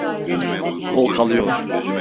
O kalıyor.